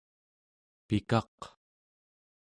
pikaq